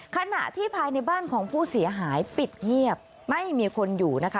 ขณะที่ภายในบ้านของผู้เสียหายปิดเงียบไม่มีคนอยู่นะคะ